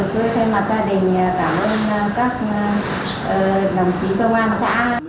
thấy thì tôi xem mặt gia đình cảm ơn các đồng chí công an xã